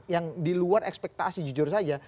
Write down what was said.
yang diluar ekspektasi jujur saja